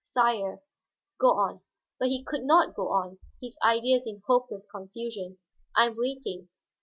"Sire " "Go on." But he could not go on, his ideas in hopeless confusion. "I am waiting."